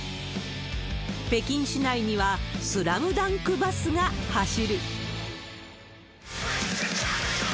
北京市内にはスラムダンクバスが走る。